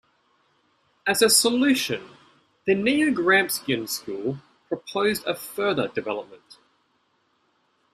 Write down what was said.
As a solution, the neo-Gramscian school proposed a further development.